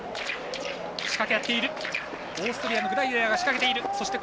オーストリアのグライデラーが仕掛けている。